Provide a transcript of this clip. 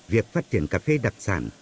việc phát triển cà phê đặc sản